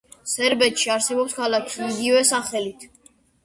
სერბეთში არსებობს ქალაქი იგივე სახელით.